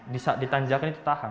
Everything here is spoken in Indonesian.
di saat ditanjakan itu tahan